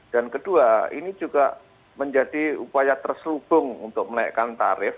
dan kedua ini juga menjadi upaya terselubung untuk menaikkan tarif